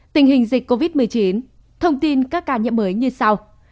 tình hình dịch covid một mươi chín thông tin các ca nhiễm mới như sau